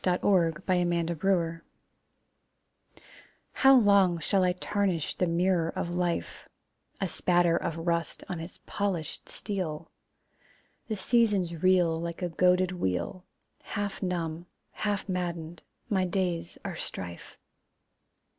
The Last Quarter of the Moon How long shall I tarnish the mirror of life, A spatter of rust on its polished steel! The seasons reel Like a goaded wheel. Half numb, half maddened, my days are strife.